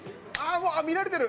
もう見られてる。